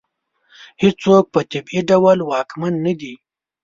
هېڅوک په طبیعي ډول واکمن نه دی.